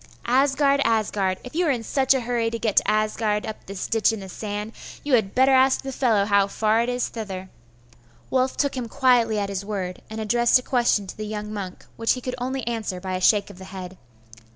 'Asgard Asgard! If you are in such a hurry to get to Asgard up this ditch in the sand, you had better ask the fellow how far it is thither.' Wulf took him quietly at his word, and addressed a question to the young monk, which he could only answer by a shake of the head.